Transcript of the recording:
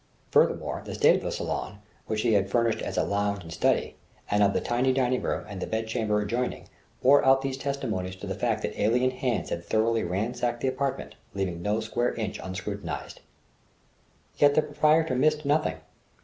Furthermore, the state of the salon, which he had furnished as a lounge and study, and of the tiny dining room and the bed chamber adjoining, bore out these testimonies to the fact that alien hands had thoroughly ransacked the apartment, leaving no square inch unscrutinized. Yet the proprietor missed nothing.